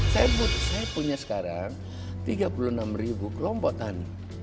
saya punya sekarang tiga puluh enam ribu kelompokan